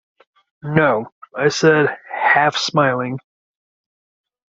‘No,’ I said, half smiling.